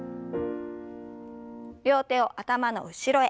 両手を頭の後ろへ。